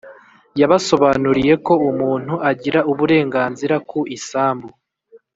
yabasobanuriye ko umuntu agira uburenganzira ku isambu